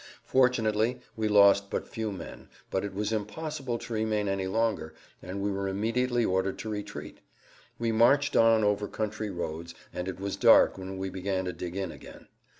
Fortunately we lost but few men, but it was impossible to remain any longer, and we were immediately ordered to retreat. We marched on over country roads, and it was dark when we began to dig in again.